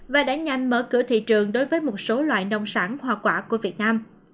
và đã nhanh mở cửa thị trường đối với một số loại nông sản hoa quả của việt nam